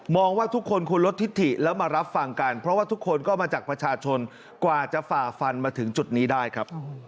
ว่าทุกคนควรลดทิศถิแล้วมารับฟังกันเพราะว่าทุกคนก็มาจากประชาชนกว่าจะฝ่าฟันมาถึงจุดนี้ได้ครับ